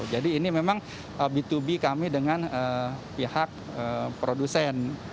jadi ini memang b dua b kami dengan pihak produsen